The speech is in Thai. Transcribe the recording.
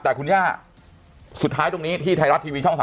แต่คุณย่าสุดท้ายตรงนี้ที่ไทยรัฐทีวีช่อง๓